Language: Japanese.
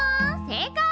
正解！